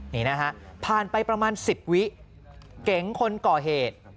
นี่นะฮะผ่านไปประมาณ๑๐วิเก๋งคนก่อเหตุ